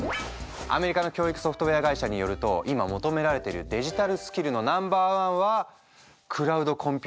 アメリカの教育ソフトウェア会社によると今求められてるデジタルスキルのナンバー１はクラウドコンピューティング。